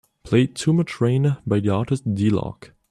Play Too Much Rain by the artist D-loc.